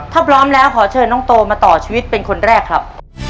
ถ้าพร้อมแล้วขอเชิญน้องโตมาต่อชีวิตเป็นคนแรกครับ